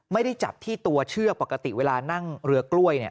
ไม่ได้จับที่ตัวเชือกปกติเวลานั่งเรือกล้วย